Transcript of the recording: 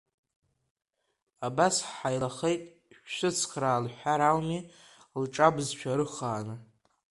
Абас ҳаилахеит, шәсыцхраа лҳәар ауми, лҿабызшәа ырхааны.